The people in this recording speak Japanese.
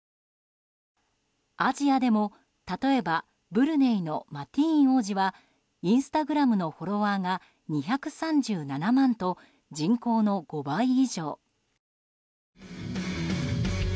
アジアでも例えばブルネイのマティーン王子はインスタグラムのフォロワーが２３７万と人口の５倍以上。